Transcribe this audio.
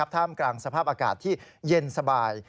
ท่ามกลางสภาพอากาศที่เย็นสบาย